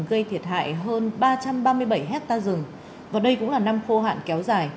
gây thiệt hại hơn ba trăm ba mươi bảy hectare rừng và đây cũng là năm khô hạn kéo dài